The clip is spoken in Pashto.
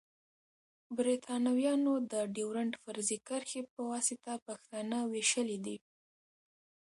بريتانويانو د ډيورنډ فرضي کرښي پواسطه پښتانه ويشلی دی.